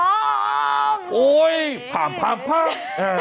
โอ้โหพังพังพัง